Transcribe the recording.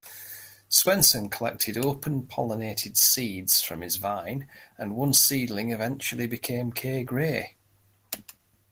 Swenson collected open-pollinated seeds from this vine, and one seedling eventually became Kay Gray.